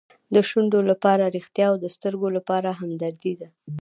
د شونډو لپاره ریښتیا او د سترګو لپاره همدردي ده.